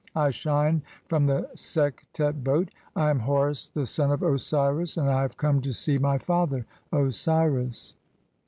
I shine from the Sektet boat, I am Horus the "son of Osiris, and I have come to see (3) my father Osiris."